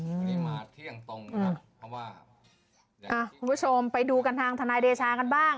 วันนี้มาเที่ยงตรงนะครับเพราะว่าคุณผู้ชมไปดูกันทางทนายเดชากันบ้าง